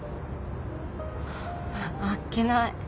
あっけない。